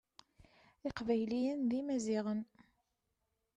Iqbayliyen d imaziɣen.